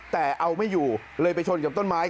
แต่เอาไม่อยู่เลยไปชนกับต้นไม้